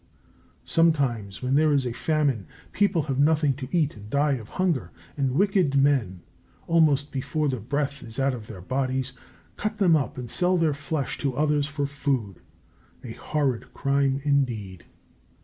Sometimes, when there is a famine, people have nothing to eat and die of hunger, and wicked men, almost before the breath is out of their bodies, cut them up and sell their flesh to others for food a horrid crime indeed.